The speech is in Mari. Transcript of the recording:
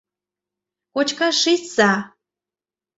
Кочкаш шичса...